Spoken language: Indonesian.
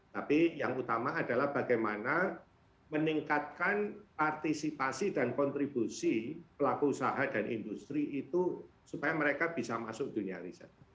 tapi yang utama adalah bagaimana meningkatkan partisipasi dan kontribusi pelaku usaha dan industri itu supaya mereka bisa masuk dunia riset